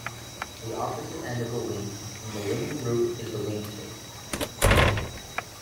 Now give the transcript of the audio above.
The opposite end of a wing from the wing root is the wing tip.